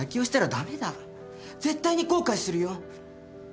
絶対に後悔するよ。